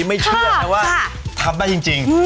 ไม่เชื่อนะว่าทำได้จริง